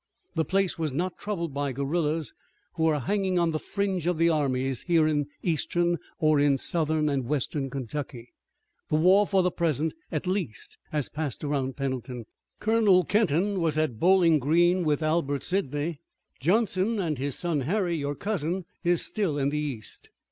The place was not troubled by guerillas who are hanging on the fringe of the armies here in Eastern, or in Southern and Western Kentucky. The war for the present at least has passed around Pendleton. Colonel Kenton was at Bowling Green with Albert Sidney Johnston, and his son, Harry, your cousin, is still in the East."